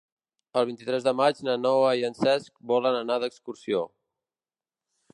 El vint-i-tres de maig na Noa i en Cesc volen anar d'excursió.